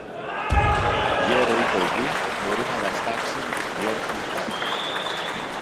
γέρο ή παιδί μπορεί να βαστάξει λόγχη ή σπαθί